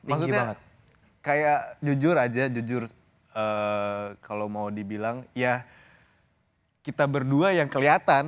maksudnya kayak jujur aja jujur kalau mau dibilang ya kita berdua yang kelihatan